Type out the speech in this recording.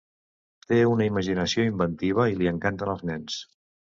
Té una imaginació inventiva i li encanten els nens.